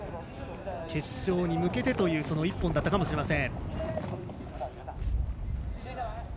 決勝に向けてという１本だったかもしれません。